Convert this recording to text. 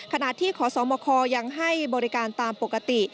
ขณะที่ขอสมคยังให้บริการตามปกติ